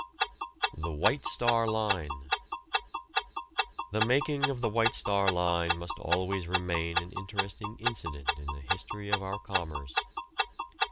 THE WHITE STAR LINE. The "making" of the White Star Line must always remain an interesting incident in the history of our commerce.